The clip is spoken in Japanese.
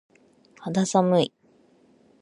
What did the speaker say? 肌寒い。